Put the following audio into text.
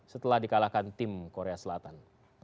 setelah dikalahkan tim korea selatan